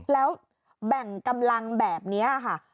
แล้วแบ่งกำลังแบบนี้ค่ะ